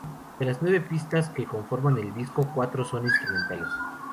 De las nueve pistas que conforman el disco, cuatro son instrumentales.